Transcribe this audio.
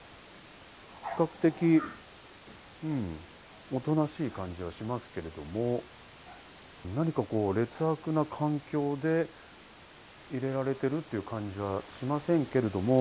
比較的おとなしい感じがしますけれども、何か劣悪な環境で入れられているという感じはしませんけれども。